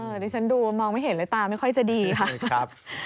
ดิฉันดูมองไม่เห็นเลยตาไม่ค่อยจะดีค่ะ